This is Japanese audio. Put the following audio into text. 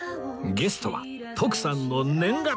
ゲストは徳さんの念願！